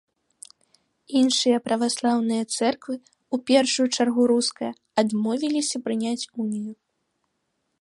Іншыя праваслаўныя цэрквы, у першую чаргу руская, адмовіліся прыняць унію.